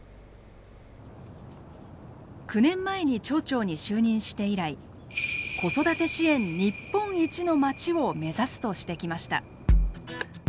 ９年前に町長に就任して以来「子育て支援日本一の町を目指す」としてきました。